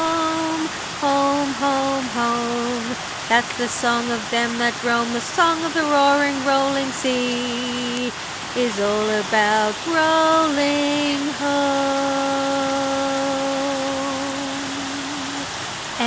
'Home, home, home, That's the song of them that roam, The song of the roaring, rolling sea Is all about rolling home.'